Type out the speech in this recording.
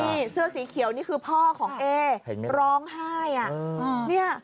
นี่เสื้อสีเขียวนี่คือพ่อของเอร้องไห้อ่ะ